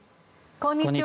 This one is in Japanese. こんにちは。